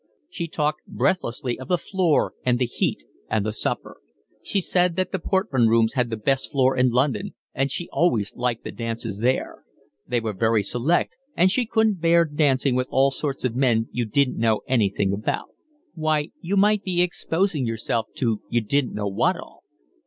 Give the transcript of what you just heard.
She talked breathlessly of the floor and the heat and the supper. She said that the Portman Rooms had the best floor in London and she always liked the dances there; they were very select, and she couldn't bear dancing with all sorts of men you didn't know anything about; why, you might be exposing yourself to you didn't know what all.